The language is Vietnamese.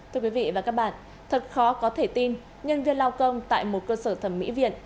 thưa quý vị và các bạn thật khó có thể tin nhân viên lao công tại một cơ sở thẩm mỹ viện